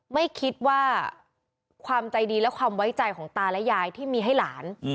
ไม่คิดว่าความใจดีและความไว้ใจของตาและยายที่มีให้หลาน